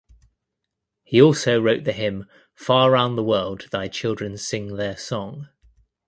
He also wrote the hymn "Far round the world thy children sing their song".